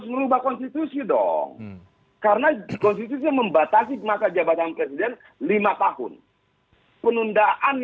merubah konstitusi itu tidak semudah